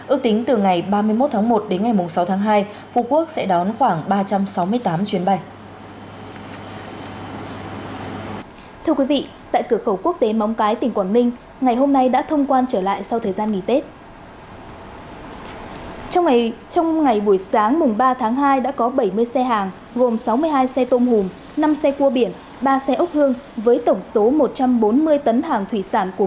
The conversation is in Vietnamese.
ước tính từ ngày ba mươi một tháng một đến ngày sáu tháng hai phú quốc sẽ đón khoảng ba trăm sáu mươi tám chuyến bay